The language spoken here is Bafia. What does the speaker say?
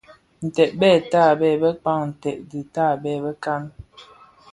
Ntèd bè tabèè bëkpaň nted dhi tabèè bëkan.